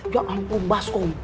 ya ampun baskom